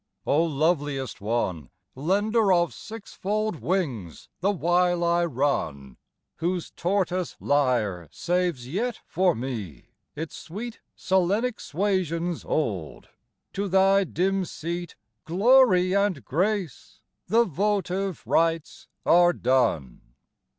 O loveliest one, Lender of sixfold wings the while I run, Whose tortoise lyre saves yet for me its sweet Cyllenic suasions old, to thy dim seat Glory and grace! the votive rites are done.